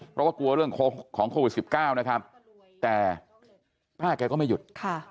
เพราะว่ากลัวเรื่องของของโควิดสิบเก้านะครับแต่ป้าแกก็ไม่หยุดค่ะ